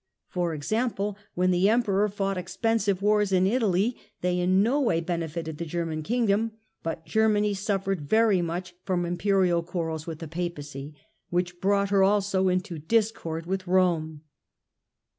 For example, when the Emperor fought expensive wars in Italy they in no way benefited the German Kingdom, but Germany suffered very much from Imperial quarrels with the Papacy, which brought her also into discord with Kome.